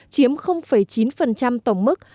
chiếm chín tổng mức